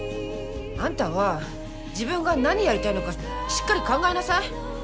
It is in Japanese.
あんたは自分が何やりたいのかしっかり考えなさい。